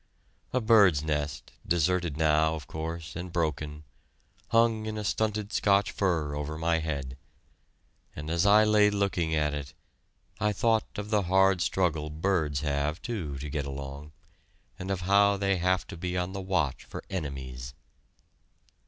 A bird's nest, deserted now, of course, and broken, hung in a stunted Scotch fir over my head, and as I lay looking at it I thought of the hard struggle birds have, too, to get along, and of how they have to be on the watch for enemies.